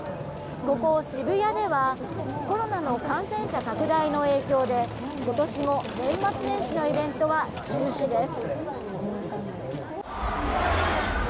ここ渋谷ではコロナの感染者拡大の影響で今年も年末年始のイベントは中止です。